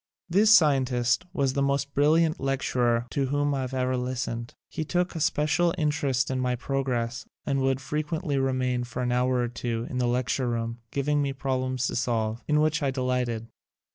This scientist was the most brilliant lecturer to whom I ever listened. He took a special interest in my progress and would frequently remain for an hour or two in the lecture room, giving me problems to solve, in which I delighted.